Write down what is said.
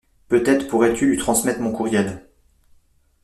Peut-être pourrais-tu lui transmettre mon courriel.